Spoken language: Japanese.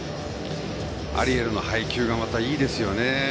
アリエルの配球がいいですよね。